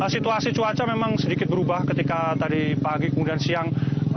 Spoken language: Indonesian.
situasi cuaca memang sedikit berubah ketika tadi pagi kemudian siang